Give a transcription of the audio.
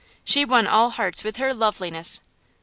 She won all hearts with her loveliness!